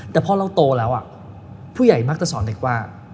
แต่พอเราโตแล้วผู้ใหญ่มักจะสอนเด็กว่า